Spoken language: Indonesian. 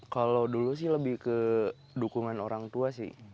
kalau dulu sih lebih ke dukungan orang tua sih